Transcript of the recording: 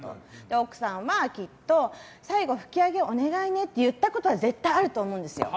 奥さんはきっと最後拭き上げお願いねと言ったことは絶対あると思うんですよ。